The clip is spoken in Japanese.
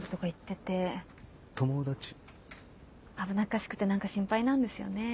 危なっかしくて何か心配なんですよね。